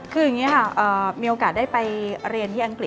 คืออย่างนี้ค่ะมีโอกาสได้ไปเรียนที่อังกฤษ